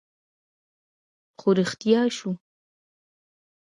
خو رښتيا شو